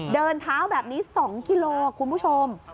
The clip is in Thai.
เดินเท้าแบบนี้๒กิโลคุณผู้ชม